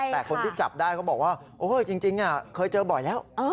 แต่คนที่จับได้เขาบอกว่าจริงเคยเจอบ่อยแล้ว